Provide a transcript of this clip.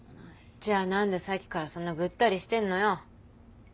じゃあ何でさっきからそんなぐったりしてんのよ。